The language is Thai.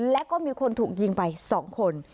แล้วก็มีคนถูกยิงไป๒คน